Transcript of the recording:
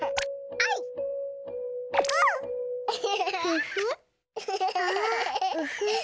あウフフ。